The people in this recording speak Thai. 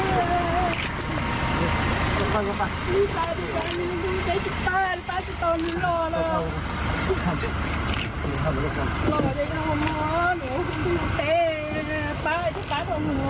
โอ้โหมึงล่าล่าล่าล่าเร็วเนอะะเฮ้แบบที่แบบอ่า